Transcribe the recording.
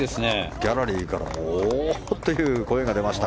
ギャラリーからもおお！という声が出ました。